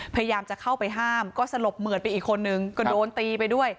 พยายามจะเข้าไปห้ามก็สลบเหมือนไปอีกคนนึงก็โดนตีไปด้วย